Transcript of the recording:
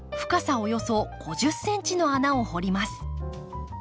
およそ５０ｃｍの穴を掘ります。